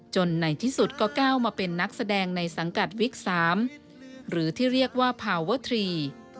ในที่สุดก็ก้าวมาเป็นนักแสดงในสังกัดวิก๓หรือที่เรียกว่าภาวทรี